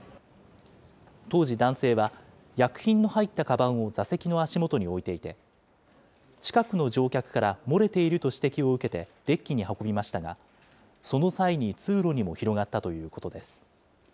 当時、男性は薬品の入ったかばんを座席の足元に置いていて、近くの乗客から漏れていると指摘を受けてデッキに運びましたが、その際に通路にも広がったということです。